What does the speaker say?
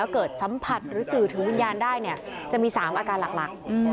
ก็จะมี๓อาการหลัก